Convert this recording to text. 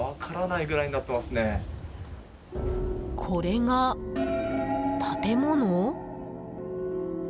これが建物？